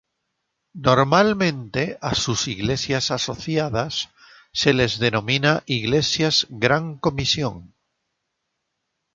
Normalmente a sus iglesias asociadas se les denomina Iglesias Gran Comisión.